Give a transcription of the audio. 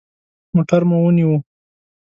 موټر مو ونیوه.